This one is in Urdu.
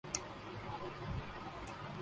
ان کے پاس زیادہ سے زیادہ زمین آجائے